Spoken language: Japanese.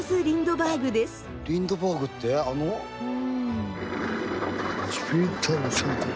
リンドバーグってあの？